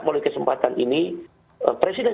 oleh kesempatan ini presiden